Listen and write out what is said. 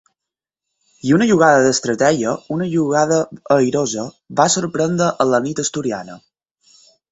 I una jugada d’estratègia, una jugada airosa, va sorprendre en la nit asturiana.